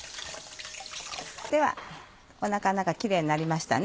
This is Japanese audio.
ではおなかの中キレイになりましたね。